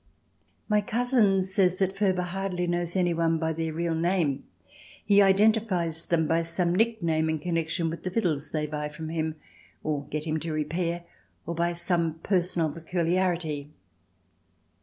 My cousin says that Furber hardly knows any one by their real name. He identifies them by some nickname in connection with the fiddles they buy from him or get him to repair, or by some personal peculiarity.